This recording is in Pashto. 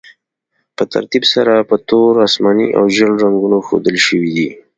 په ترتیب سره په تور، اسماني او ژیړ رنګونو ښودل شوي دي.